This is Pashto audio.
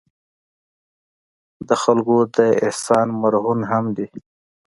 د خلکو د احسان مرهون هم دي.